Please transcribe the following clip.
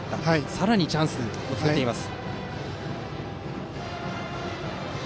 さらにチャンスを作っています。